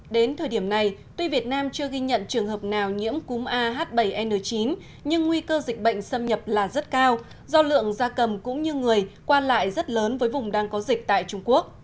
đến thời điểm này tuy việt nam chưa ghi nhận trường hợp nào nhiễm cúm ah bảy n chín nhưng nguy cơ dịch bệnh xâm nhập là rất cao do lượng da cầm cũng như người qua lại rất lớn với vùng đang có dịch tại trung quốc